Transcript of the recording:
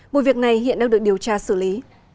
vụ việc này hiện đang được điều tra xử lý